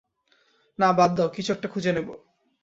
না, বাদ দাও, কিছু একটা খুঁজে নেবো।